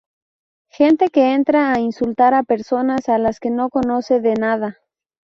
Gente que entra a insultar a personas a las que no conoce de nada.